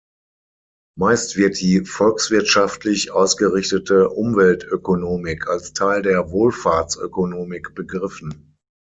Meist wird die volkswirtschaftlich ausgerichtete Umweltökonomik als Teil der Wohlfahrtsökonomik begriffen.